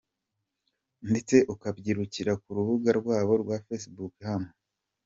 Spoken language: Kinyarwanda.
rw ndetse ukabakurikira ku rubuga rwabo rwa Facebook hano .